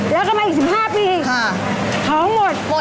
แล้วก็มา๑๕ปีของหมด